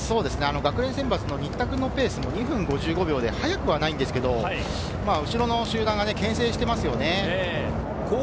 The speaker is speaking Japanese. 学連選抜・新田君のペースが２分５５秒で速くないんですけど、後ろの集団が牽制してますよね。